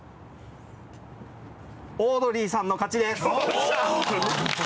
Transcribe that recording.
オードリーさんの勝ちです。